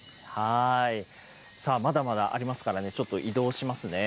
まだまだありますからね、ちょっと移動しますね。